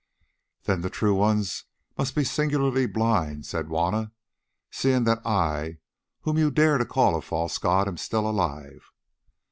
"Then the true ones must be singularly blind," said Juanna, "seeing that I, whom you dare to call a false god, am still alive."